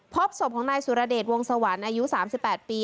พบศพของนายสุรเดชวงสวรรค์อายุ๓๘ปี